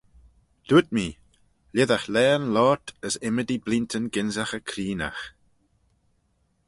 Dooyrt mee, lhisagh laghyn loayrt, as ymmodee bleeantyn gynsaghey creenaght.